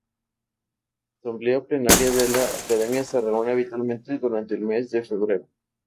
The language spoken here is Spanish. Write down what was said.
La asamblea plenaria de la Academia se reúne habitualmente durante el mes de febrero.